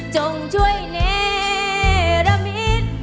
จงช่วยเนรมิต